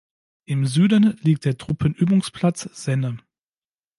Im Süden liegt der Truppenübungsplatz Senne.